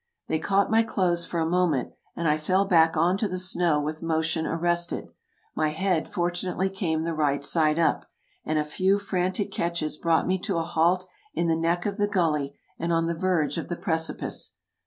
They caught my clothes for a moment, and I fell back on to the snow with motion arrested; my head fortunately came the right side up, and a few frantic catches brought me to a halt in the neck of the gully and on the verge of the precipice.